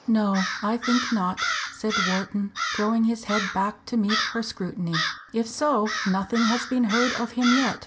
"No, I think not," said Wharton, throwing his head back to meet her scrutiny. "If so, nothing has been heard of him yet.